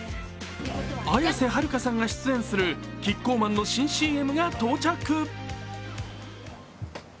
綾瀬はるかさんが出演するキッコーマンの新ＣＭが到着。